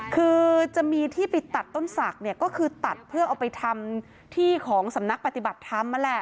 คือจะมีที่ไปตัดต้นสักก็คือตัดเพื่อเอาไปทำที่ของสำนักปฏิบัติธรรม